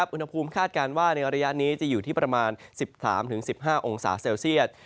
อุณหภูมิคาดการณ์ว่าในระยะนี้จะอยู่ที่ประมาณ๑๓๑๕องศาเซลเซียต